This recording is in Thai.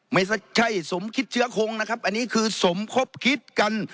ไม่ใช่สมคิดเชื้อคงนะครับอันนี้คือสมคบคิดกัน